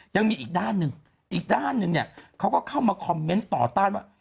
ยังมีอีกด้านหนึ่งอีกด้านหนึ่งเนี่ยเขาก็เข้ามาคอมเมนต์ต่อต้านว่า